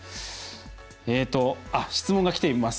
質問がきています。